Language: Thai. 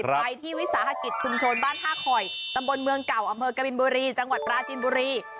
ไปที่วิสาหกิจชุมชนบ้านท่าคอยตำบลเมืองเก่าอำเภอกบินบุรีจังหวัดปราจินบุรี